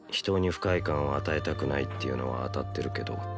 人に不快感を与えたくないっていうのは当たってるけど